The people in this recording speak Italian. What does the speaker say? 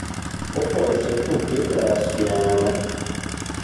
O forse tutti e tre assieme".